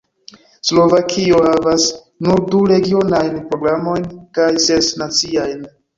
Slovakio havas nur du regionajn programojn kaj ses naciajn.